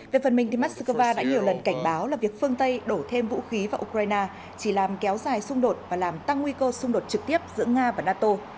về phần mình moscow đã nhiều lần cảnh báo là việc phương tây đổ thêm vũ khí vào ukraine chỉ làm kéo dài xung đột và làm tăng nguy cơ xung đột trực tiếp giữa nga và nato